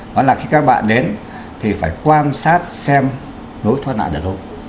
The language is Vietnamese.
nó là khi các bạn đến thì phải quan sát xem nỗi thoát nạn được không